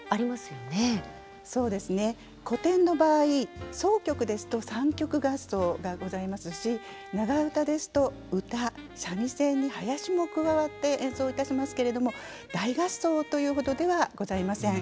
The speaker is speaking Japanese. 古典の場合箏曲ですと三曲合奏がございますし長唄ですと唄三味線に囃子も加わって演奏いたしますけれども大合奏というほどではございません。